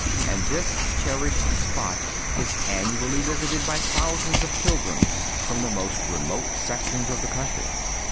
And this cherished spot is annually visited by thousands of pilgrims from the most remote sections of the country.